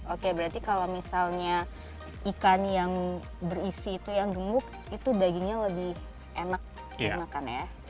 oke berarti kalau misalnya ikan yang berisi itu yang gemuk itu dagingnya lebih enak dimakan ya